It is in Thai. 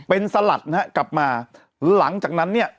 เป็นสลัดนะฮะกลับมาหลังจากนั้นเนี่ย